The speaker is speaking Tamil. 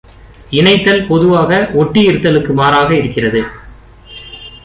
இணைத்தல் பொதுவாக ஒட்டியிருத்தலுக்கு மாறாக இருக்கிறது.